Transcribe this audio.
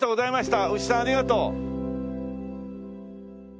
牛さんありがとう。